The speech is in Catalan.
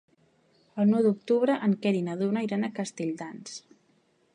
El nou d'octubre en Quer i na Duna iran a Castelldans.